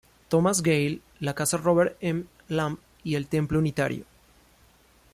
Thomas Gale, la casa Robert M. Lamp y el Templo Unitario.